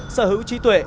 sở hữu trí tuệ